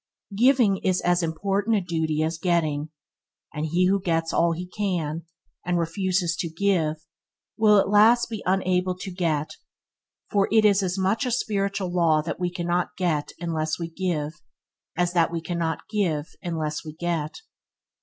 Giving is as important a duty as getting; and he who gets all he can, and refuses to give, will at last be unable to get; for it is as much a spiritual law that we cannot get unless we give, as that we cannot give unless we get.